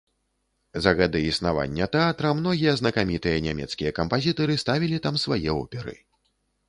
За гады існавання тэатра многія знакамітыя нямецкія кампазітары ставілі там свае оперы.